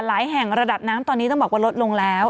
หลายแห่งระดับน้ำตอนนี้ต้องบอกว่าลดลงแล้ว